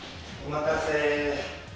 お待たせ。